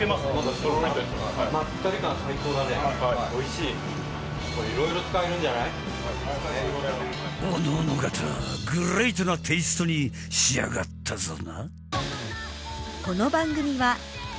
磴里諒グレートなテイストに仕上がったぞな